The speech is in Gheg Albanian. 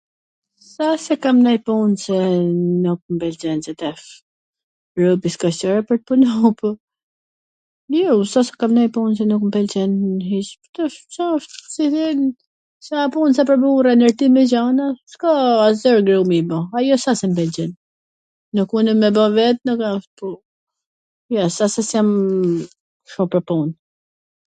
S a se kam ndonj pun qw nuk m pwlqen qetash, robi s ka qef me punu, po jo s asht se kam nonj pun qw nuk mw pwlqen hiC, se a pun se po zure ndwrtim e gjana, s ka asgjw robi ba, ajo s asht se m pwlqen, ne punwn me ba vet ne grat, po, jo s asht se s jam kshtu pwr pun.